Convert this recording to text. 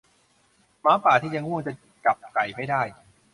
หมาป่าที่ง่วงจะจับไก่ไม่ได้